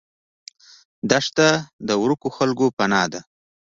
دښته د ورکو خلکو پناه ده.